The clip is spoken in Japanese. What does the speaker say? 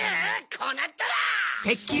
こうなったら！